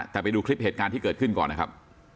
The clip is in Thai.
แต่ไปดูคลิปเหตุการณ์ที่เกิดขึ้นก่อนนะครับ